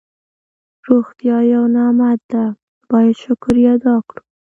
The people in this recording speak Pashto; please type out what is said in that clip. روغتیا یو نعمت ده باید شکر یې ادا کړو.